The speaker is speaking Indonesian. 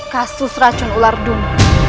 kasus racun ular dung